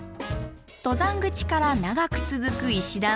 登山口から長く続く石段。